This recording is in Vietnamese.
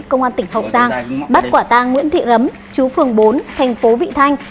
công an tỉnh hậu giang bắt quả tang nguyễn thị rấm chú phường bốn tp vị thanh